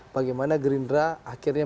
bagaimana gerindra akhirnya